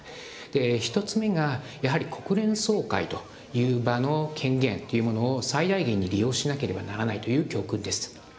１つ目が国連総会という場の権限というものを最大限に利用しなければならないという教訓です。